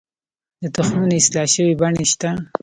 د تخمونو اصلاح شوې بڼې شته؟